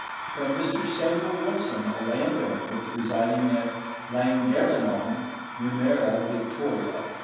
From Mr. Samuel Wilson, a landowner, residing at Langerenong, Wimmera, Victoria.